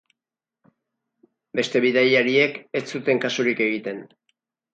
Beste bidaiariek ez zuten kasurik egiten.